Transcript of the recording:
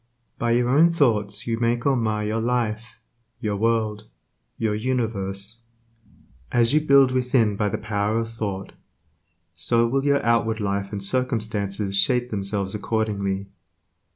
By your own thoughts you make or mar your life, your world, your universe, As you build within by the power of thought, so will your outward life and circumstances shape themselves accordingly.